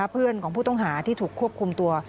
เพื่อนของผู้ต้องหาที่ถูกควบคุมตัว